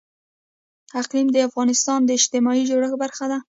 اقلیم د افغانستان د اجتماعي جوړښت برخه ده.